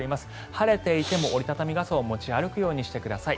晴れていても折り畳み傘を持ち歩くようにしてください。